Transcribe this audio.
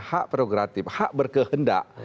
hak prerogatif hak berkehendak